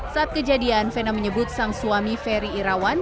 saat kejadian fena menyebut sang suami ferry irawan